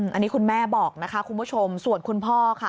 อันนี้คุณแม่บอกนะคะคุณผู้ชมส่วนคุณพ่อค่ะ